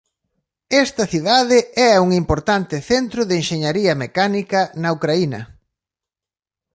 Esta cidade é un importante centro de enxeñaría mecánica na Ucraína.